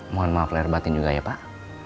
mohon maaf lahir batin juga ya pak